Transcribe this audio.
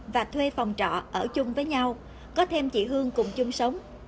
và thuê phòng trọ ở chung với nhau có thêm chị hương cùng chung sống